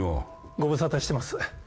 ご無沙汰してます。